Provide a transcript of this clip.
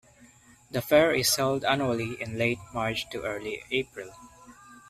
The fair is held annually in late March to early April.